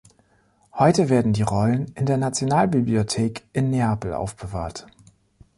Heute werden die Rollen in der Nationalbibliothek in Neapel aufbewahrt.